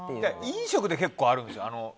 飲食で結構あるんですよ。